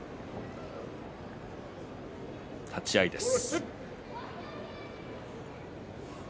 立ち合いです。